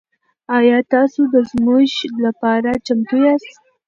ایا تاسو د ژمنو لپاره چمتو یاست؟